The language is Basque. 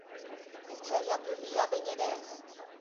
Entsaiatu, ia behin ere ez.